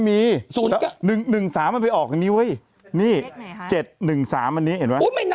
เธอยังนับเพื่อเจอไม่ได้นะ